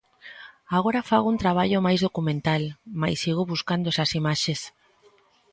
Agora fago un traballo máis documental, mais sigo buscando esas imaxes.